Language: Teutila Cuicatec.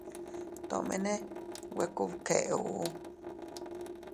Tomene nwe kubkéʼuu.